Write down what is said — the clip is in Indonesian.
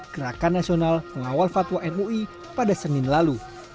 gerakan nasional mengawal fatwa mui pada senin lalu